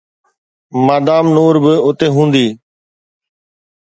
Madam نور به اتي هوندي.